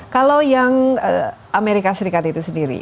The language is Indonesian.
kalau yang amerika serikat itu sendiri